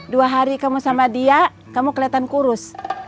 dua hari kamu sama dia kamu kelihatan kurus